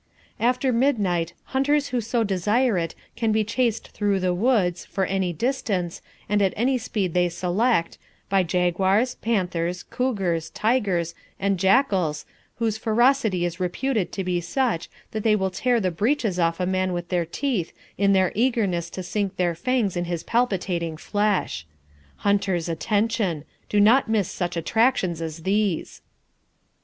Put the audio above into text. "After midnight hunters who so desire it can be chased through the woods, for any distance and at any speed they select, by jaguars, panthers, cougars, tigers, and jackals whose ferocity is reputed to be such that they will tear the breeches off a man with their teeth in their eagerness to sink their fangs in his palpitating flesh. Hunters, attention! Do not miss such attractions as these!"